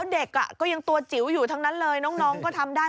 เด็กก็ยังตัวจิ๋วอยู่ทั้งนั้นเลยน้องก็ทำได้